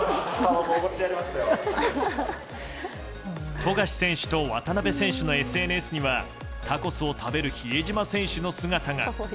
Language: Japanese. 富樫選手と渡邊選手のＳＮＳにはタコスを食べる比江島選手の姿が。